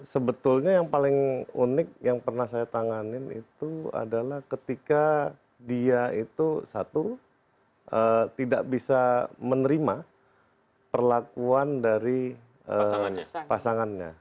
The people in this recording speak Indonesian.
sebetulnya yang paling unik yang pernah saya tanganin itu adalah ketika dia itu satu tidak bisa menerima perlakuan dari pasangannya